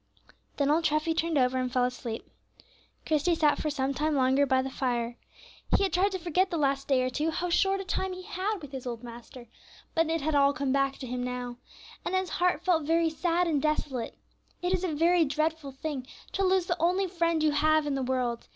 Then old Treffy turned over and fell asleep. Christie sat for some time longer by the fire. He had tried to forget the last day or two how short a time he had with his old master, but it had all come back to him now. And his heart felt very sad and desolate. It is a very dreadful thing to lose the only friend you have in the world.